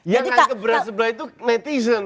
yang berat sebelah itu netizen